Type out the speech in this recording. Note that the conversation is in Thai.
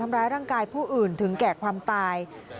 ทำร้ายร่างกายผู้อื่นถึงแก่ความตาย